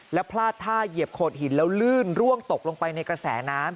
แล้วพลาดท่าเหยียบโขดหินแล้วลื่นร่วงตกลงไปในกระแสน้ำ